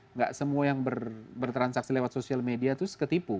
enggak semua yang bertransaksi lewat social media itu ketipu